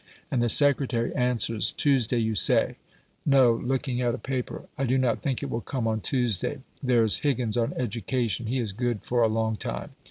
And the Secretary answers, "Tuesday, you say; no (looking at a paper), I do not think it will come on Tuesday. There is Higgins on Education. He is good for a long time.